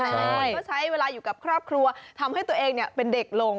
หลายคนก็ใช้เวลาอยู่กับครอบครัวทำให้ตัวเองเป็นเด็กลง